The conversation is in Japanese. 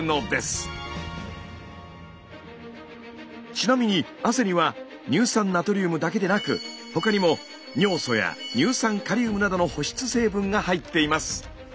ちなみに汗には乳酸ナトリウムだけでなく他にも尿素や乳酸カリウムなどの保湿成分が入っています。